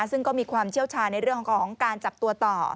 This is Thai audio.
ซึ่งก็มีความเชี่ยวชาญในเรื่องของการจับตัวต่อ